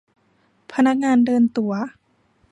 พนักงานเดินตั๋ว